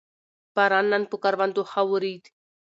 باران نن پر کروندو ښه ورېد